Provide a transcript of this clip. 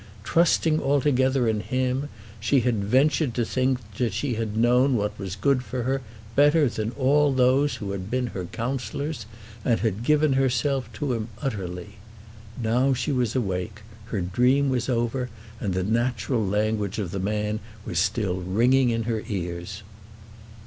Trusting altogether in him she had ventured to think that she had known what was good for her better than all those who had been her counsellors, and had given herself to him utterly. Now she was awake; her dream was over, and the natural language of the man was still ringing in her ears!